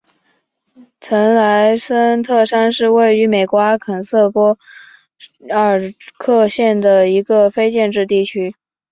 普莱森特山是位于美国阿肯色州波尔克县的一个非建制地区。